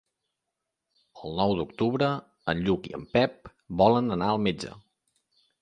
El nou d'octubre en Lluc i en Pep volen anar al metge.